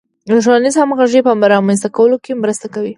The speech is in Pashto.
د ټولنیزې همغږۍ په رامنځته کولو کې مرسته کوي.